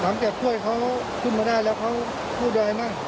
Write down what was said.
หลังจากกล้วยเขาขึ้นมาได้แล้วเขาพูดอะไรมาก